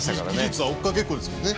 技術は追っかけっこですもんね。